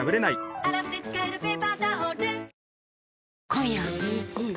今夜はん